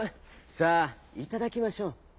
さあいただきましょう」。